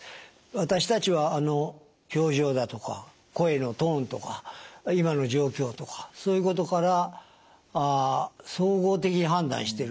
私たちは表情だとか声のトーンとか今の状況とかそういうことから総合的に判断してる